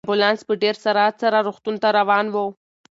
امبولانس په ډېر سرعت سره روغتون ته روان و.